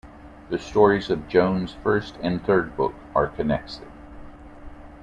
The stories of Jones' first and third book are connected.